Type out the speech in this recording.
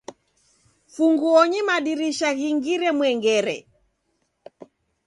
Funguonyi madirisha ghingire mwengere.